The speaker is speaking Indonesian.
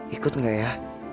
ikut gak ya